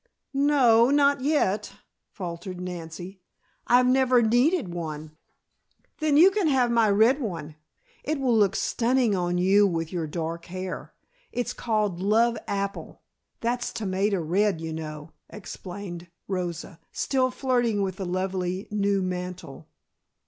"No, not yet," faltered Nancy. "I've never needed one." "Then, you can have my red one. It will look stunning on you with your dark hair. It's called love apple, that's tomato red, you know," explained Rosa, still flirting with the lovely new mantle.